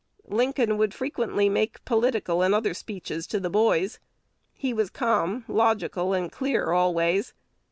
Lincoln would frequently make political and other speeches to the boys: he was calm, logical, and clear always.